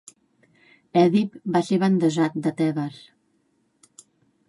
Èdip va ser bandejat de Tebes.